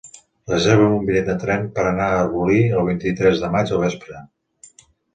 Reserva'm un bitllet de tren per anar a Arbolí el vint-i-tres de maig al vespre.